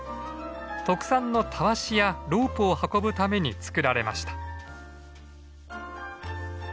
特産のたわしやロープを運ぶために作られました。